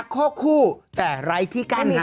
ก็มีพี่กั้น